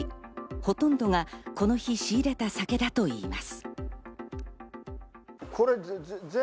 ほとんどがこの日、仕入れた酒だといいます。